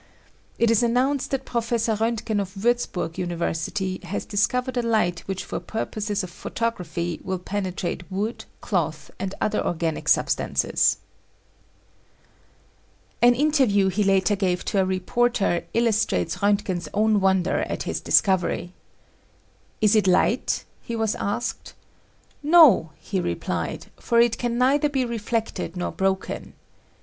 It is announced that Professor Roentgen of Wiirzburg University has discovered a light which for purposes of photography will penetrate wood, cloth and other organic substances." An interview he later gave to a reporter illustrates Roentgen's own wonder at his discovery. "Is it light?" he was asked. "No," he replied, "for it can neither be reflected nor broken."